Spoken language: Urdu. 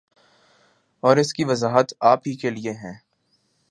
اور اس کی وضاحت آپ ہی کیلئے ہیں